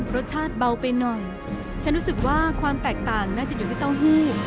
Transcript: รสชาติเบาไปหน่อยฉันรู้สึกว่าความแตกต่างน่าจะอยู่ที่เต้าหู้